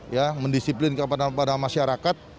ya mendisiplin kepada masyarakat